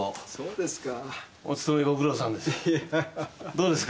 どうですか？